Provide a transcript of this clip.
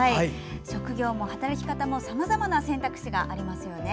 職業も働き方もさまざまな選択肢がありますよね。